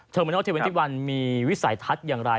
เทอร์มินัล๒๐๒๑มีวิสัยทัศน์อย่างไร